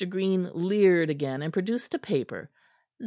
Green leered again, and produced a paper.